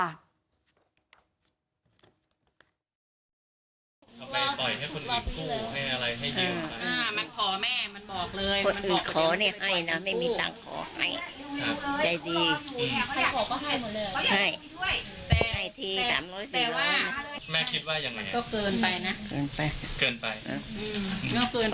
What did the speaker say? ไอ้นี่มันชอบให้คนพูดดีดูให้